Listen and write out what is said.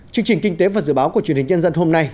chương trình kinh tế và dự báo của truyền hình nhân dân hôm nay